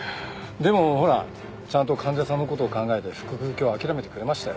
でもほらちゃんと患者さんの事を考えて腹腔鏡を諦めてくれましたよ。